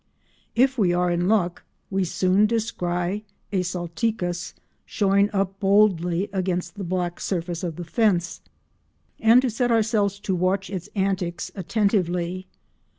If we are in luck, we soon descry a Salticus showing up boldly against the black surface of the fence, and to set ourselves to watch its antics attentively.